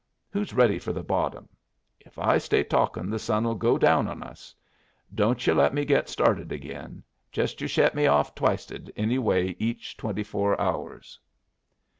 Who's ready for the bottom? If I stay talkin' the sun'll go down on us. Don't yu' let me get started agin. Just you shet me off twiced anyway each twenty four hours."